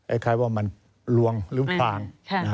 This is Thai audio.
ไอ้ใครว่ามันลวงหรือฟาง